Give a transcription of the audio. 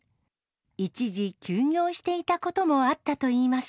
一時休業していたこともあったといいます。